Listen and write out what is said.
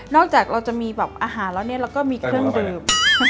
นอกจากเราจะมีอาหารแล้วเราก็มีเครื่องดื่ม